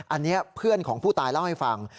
อันนี้เพื่อนของผู้ตายเล่าให้ฟัง